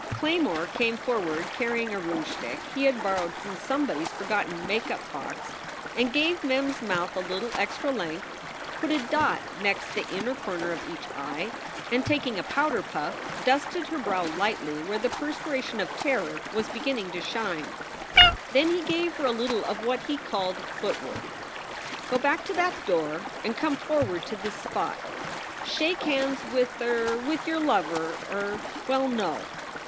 Claymore came for ward, carrying a rouge stick he had borrowed from some body s forgotten make up box, and gave Mem s mouth a little extra length, put a dot next the inner comer of each eye, and, taking a powder puff, dusted her brow lightly where the perspiration of terror was beginning to shine. Then he gave her a little of what he called footwork. "Go back to that door and come forward to this spot. Shake hands with er with your lover er Well no.